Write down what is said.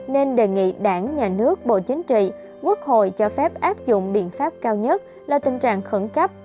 nên đề nghị đảng nhà nước bộ chính trị quốc hội cho phép áp dụng biện pháp cao nhất là tình trạng khẩn cấp